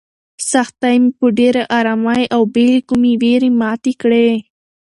سختۍ مې په ډېرې ارامۍ او بې له کومې وېرې ماتې کړې.